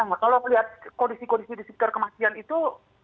nah kalau melihat kondisi kondisi di sekitar kematian itu